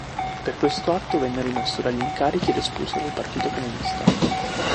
Per questo atto venne rimosso dagli incarichi ed espulso dal partito comunista.